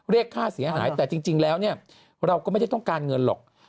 เรียกค่าเสียหายแต่จริงแล้วเนี่ยเราก็ไม่ได้ต้องการเงินหรอก